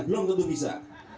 belum tentu bisa